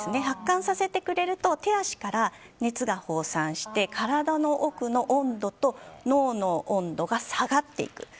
発汗させてくれると手足から熱が放散して体の奥の温度と脳の温度が下がっていく。